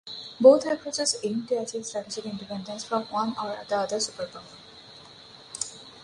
Both approaches aimed to achieve strategic independence from one or the other superpower.